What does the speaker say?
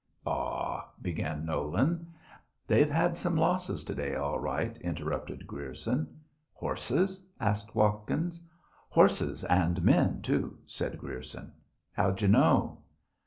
"Aw " began Nolan. "They've had some losses t' day all right," interrupted Grierson. "Horses?" asked Watkins. "Horses and men too," said Grierson. "How d'yeh know?"